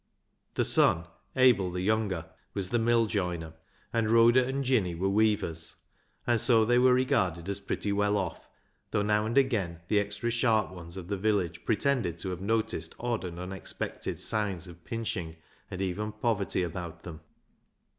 The son, Abel the younger, was the mill joiner, and Rhoda and Jinny were weavers, and so they were regarded as pretty well off, though now and again the extra sharp ones of the village pretended to have noticed odd and unexpected signs of pinching and even poverty about them.